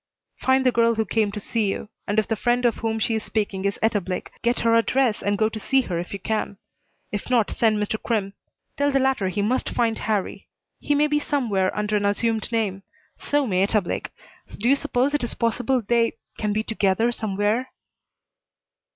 "Find the girl who came to see you, and if the friend of whom she is speaking is Etta Blake, get her address and go to see her, if you can. If not, send Mr. Crimm. Tell the latter he must find Harrie. He may be somewhere under an assumed name. So may Etta Blake. Do you suppose it is possible they can be together somewhere?"